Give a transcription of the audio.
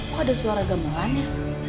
oh ada suara gemelan ya